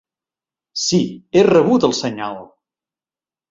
Sí, he rebut el senyal!